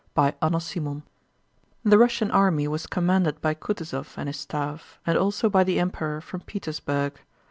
CHAPTER III The Russian army was commanded by Kutúzov and his staff, and also by the Emperor from Petersburg.